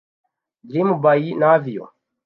Dream by Navio